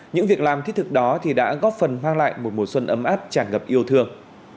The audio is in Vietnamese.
những việc làm thiết thực đó thì đã góp phần hoang lại một mùa xuân ấm áp chẳng gặp yêu thương